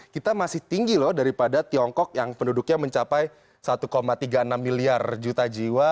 kita masih tinggi loh daripada tiongkok yang penduduknya mencapai satu tiga puluh enam miliar juta jiwa